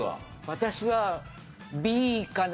私は。